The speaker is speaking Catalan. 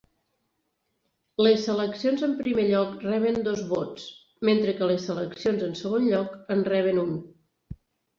Les seleccions en primer lloc reben dos vots, mentre que les seleccions en segon lloc en reben un.